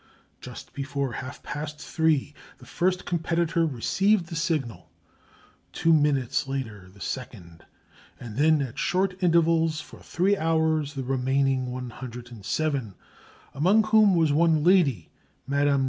Just before half past three, the first competitor received the signal; two minutes later the second; and then at short intervals for three hours the remaining 107, among whom was one lady, Mme.